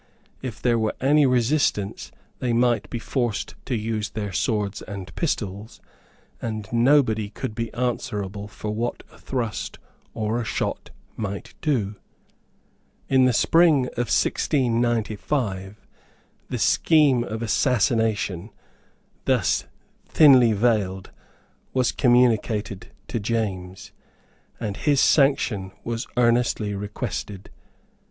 If there were any resistance they might be forced to use their swords and pistols, and nobody could be answerable for what a thrust or a shot might do. In the spring of 1695, the scheme of assassination, thus thinly veiled, was communicated to James, and his sanction was earnestly requested.